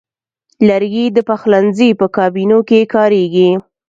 لرګی د پخلنځي په کابینو کې کاریږي.